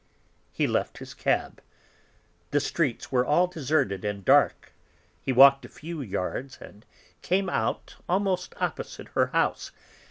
He left his cab; the streets were all deserted and dark; he walked a few yards and came out almost opposite her house.